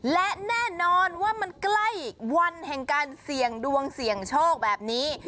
และแน่นอนว่ามันใกล้วันแห่งการเสี่ยงดวงเสี่ยงโชคแบบนี้